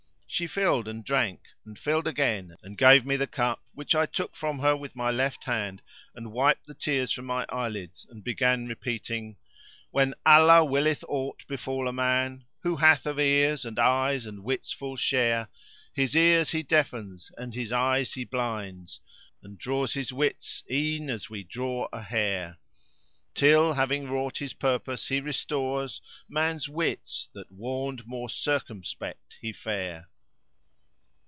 She filled and drank,[FN#547] and filled again and gave me the cup which I took from her with my left hand and wiped the tears from my eyelids and began repeating: "When Allah willeth aught befall a man * Who hath of ears and eyes and wits full share: His ears He deafens and his eyes He blinds * And draws his wits e'en as we draw a hair[FN#548] Till, having wrought His purpose, He restores * Man's wits, that warned more circumspect he fare."